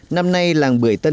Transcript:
năm nay làng bưởi tân triều